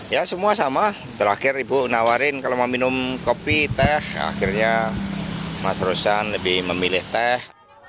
ya semua sama terakhir ibu nawarin kalau mau minum kopi teh akhirnya mas rosan lebih memilih teh